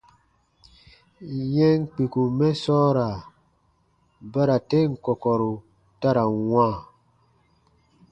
Yɛm kpikum mɛ sɔɔra bara ten kɔkɔru ta ra n wãa.